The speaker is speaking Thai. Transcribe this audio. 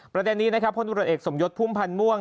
ประเทศนี้นะครับพอสมยศพุ่มพันธ์ม่วง